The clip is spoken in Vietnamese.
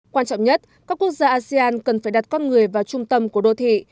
quan trọng nhất các quốc gia asean cần phải đặt con người vào trung tâm của đô thị